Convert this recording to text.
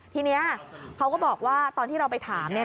ทีนี้เขาก็บอกว่าตอนที่เราไปถาม